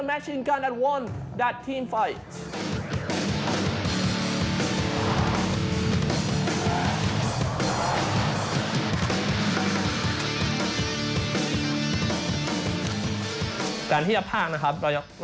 มันหลังจากทำที่พ่อนาร์มเข